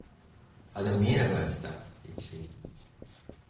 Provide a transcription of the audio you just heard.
あっでも見えなくなっちゃった。